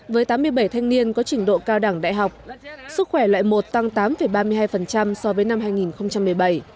với tám mươi bảy thanh niên có trình độ cao đẳng đại học sức khỏe loại một tăng tám ba mươi hai so với năm hai nghìn một mươi bảy